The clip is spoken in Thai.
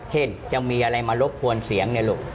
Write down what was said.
จะมีอะไรมารบกวนเสียงเนี่ยลูก